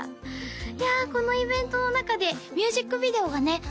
いやあこのイベントの中でミュージックビデオがね